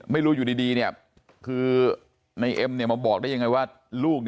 ไม่รู้อยู่ดีคือในเอ็มมาบอกได้ยังไงว่าลูก